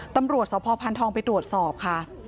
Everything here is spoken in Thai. ตำรวจสพพันธองไปตรวจสอบค่ะ